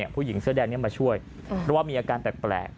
ผู้หญิงเสื้อแดงนี้มาช่วยเพราะว่ามีอาการแปลก